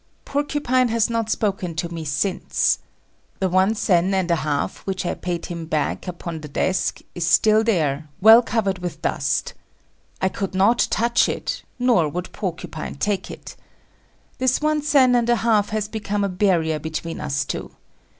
Porcupine has not spoken to me since. The one sen and a half which I paid him back upon the desk, is still there, well covered with dust. I could not touch it, nor would Porcupine take it. This one sen and a half has become a barrier between us two.